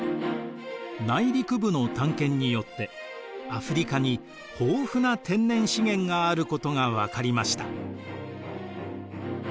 内陸部の探検によってアフリカに豊富な天然資源があることが分かりました。